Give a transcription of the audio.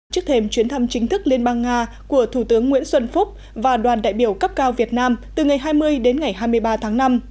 trước thềm chuyến thăm chính thức liên bang nga của thủ tướng nguyễn xuân phúc và đoàn đại biểu cấp cao việt nam từ ngày hai mươi đến ngày hai mươi ba tháng năm